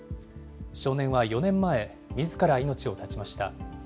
少年は４年前、みずから命を絶ちました。